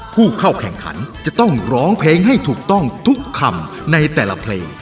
ผู้เข้าแข่งขันจะต้องร้องเพลงให้ถูกต้องทุกคำในแต่ละเพลง